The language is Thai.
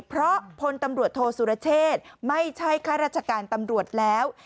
เพราะพลตำรวจโทษสุรเชษไม่ใช่ข้าราชการตำรวจแล้ว